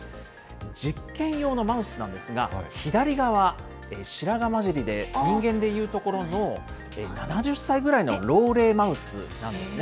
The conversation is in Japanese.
実験用のマウスなんですが、左側、白髪交じりで人間でいうところの７０歳ぐらいの老齢マウスなんですね。